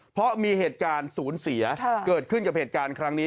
เพราะมีเหตุการณ์ศูนย์เสียเกิดขึ้นกับเหตุการณ์ครั้งนี้